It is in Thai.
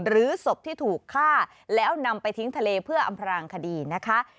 หรือศพที่ถูกฆ่าแล้วนำไปทิ้งทะเลเพื่ออำพรางคดีนะคะ